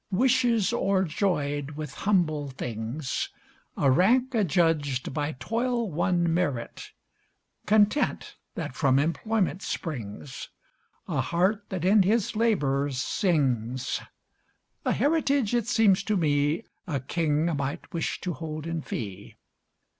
Wishes o'erjoyed with humble things, A rank adjudged by toil won merit, Content that from employment springs, A heart that in his labor sings; A heritage, it seems to me, A king might wish to hold in fee.